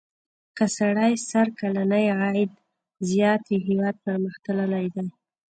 که سړي سر کلنی عاید زیات وي هېواد پرمختللی دی.